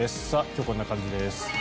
今日こんな感じです。